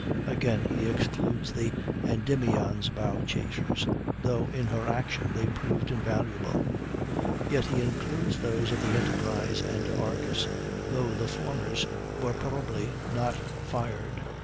Again, he excludes the Endymion's bow chasers, though in her action they proved invaluable. Yet he includes those of the Enterprise and Argus, though the former's were probably not fired.